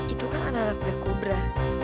itu kan anak budak kubra